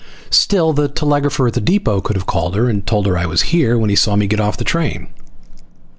Still, the telegrapher at the depot could have called her and told her I was here when he saw me get off the train.